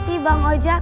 terima kasih bang ojak